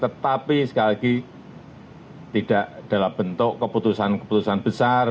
tetapi sekali lagi tidak dalam bentuk keputusan keputusan besar